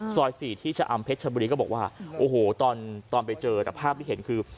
สี่ที่ชะอำเพชรชบุรีก็บอกว่าโอ้โหตอนตอนไปเจอแต่ภาพที่เห็นคือ